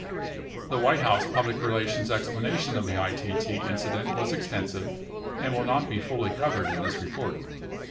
The White House public relations explanation of the ITT incident was extensive and will not be fully covered in this report.